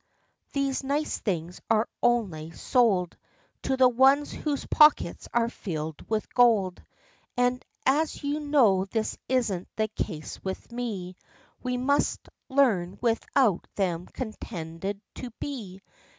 these nice things are only sold To the ones whose pockets are filled with gold; And, as you know this isn't the case with me, We must learn without them contented to be.